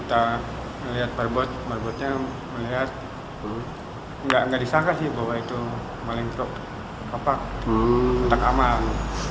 kita melihat perbot perbotnya melihat enggak disalah sih bahwa itu malingkrop kotak amal